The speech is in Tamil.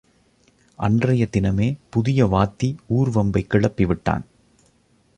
அன்றைய தினமே, புதிய வாத்தி ஊர்வம்பைக் கிளப்பிவிட்டான்.